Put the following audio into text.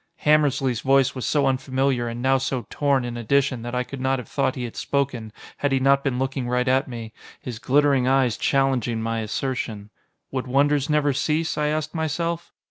Hammersly's voice was so unfamiliar and now so torn in addition that I could not have thought he had spoken, had he not been looking right at me, his glittering eyes challenging my assertion. Would wonders never cease? I asked myself.